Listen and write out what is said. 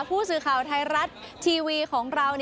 ผู้สื่อข่าวไทยรัฐทีวีของเรา